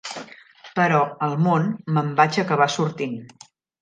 Però, al món, me'n vaig acabar sortint.